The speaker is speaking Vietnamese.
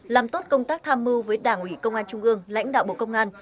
làm tốt công tác tham mưu với đảng ủy công an trung ương lãnh đạo bộ công an